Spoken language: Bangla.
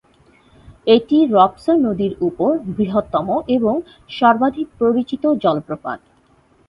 এটি রবসন নদীর উপর বৃহত্তম এবং সর্বাধিক পরিচিত জলপ্রপাত।